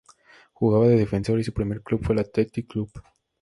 Jugaba de defensor y su primer club fue el Athletic Club.